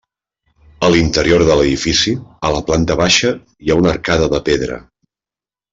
A l'interior de l'edifici, a la planta baixa, hi ha una arcada de pedra.